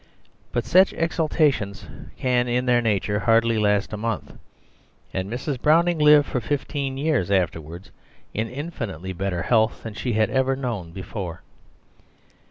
But such exaltations can in their nature hardly last a month, and Mrs. Browning lived for fifteen years afterwards in infinitely better health than she had ever known before.